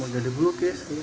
mau jadi melukis